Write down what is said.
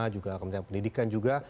juga kementerian pendidikan juga